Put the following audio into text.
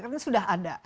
kan sudah ada